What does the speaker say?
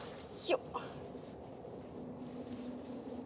よっ！